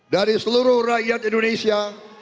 dari seluruh rakyat indonesia